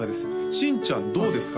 新ちゃんどうですか？